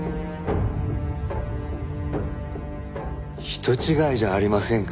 人違いじゃありませんか？